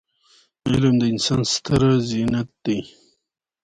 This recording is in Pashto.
علم د انسان ستره زينت دی.